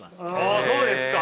あそうですか。